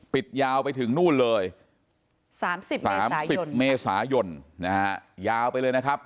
ปิดยาวไปถึงโน่นเลย๓๐เมษายนยาวไปเลยนะครับ